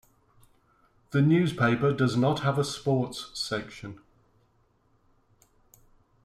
The newspaper does not have a sports section.